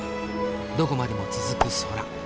どこまでも続く空。